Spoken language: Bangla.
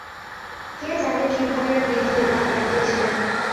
কে জানে কি ভাবিয়া বৃদ্ধ এই গান গাহিতে ছিলেন।